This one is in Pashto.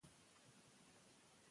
که ګل وي نو ښکلا نه مري.